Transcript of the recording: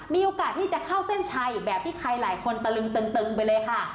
มีโอกาสที่จะเข้าเส้นชัยแบบที่ใครหลายคนตะลึงตึงไปเลยค่ะ